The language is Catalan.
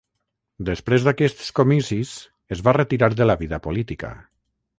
Després d'aquests comicis, es va retirar de la vida política.